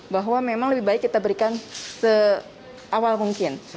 bahwa memang lebih baik kita berikan seawal mungkin